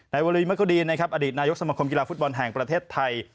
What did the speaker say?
นายวรีมกดีตอนนี้อดีตนายกสมคมกีฬาฟุตบอลแห่งประเทศไทย